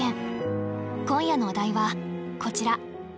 今夜のお題はこちら。